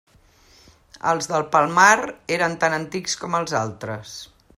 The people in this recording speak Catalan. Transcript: Els del Palmar eren tan antics com els altres.